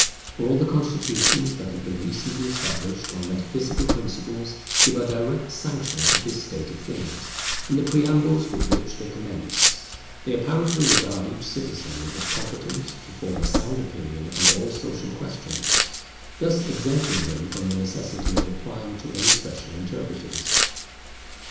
All the constitutions that have been recently established on metaphysical principles give a direct sanction to this state of things, in the preambles with which they commence. They apparently regard each citizen as competent to form a sound opinion on all social questions, thus exempting him from the necessity of applying to any special interpreters.